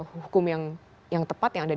hukum yang tepat yang ada